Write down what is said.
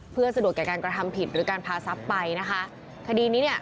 เพื่อสะดวกแก่การกระทำผิดหรือการพาทรัพย์ไปนะคะคดีนี้เนี่ย